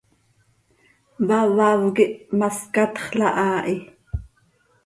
Vaváv quih ma scatxla haa hi.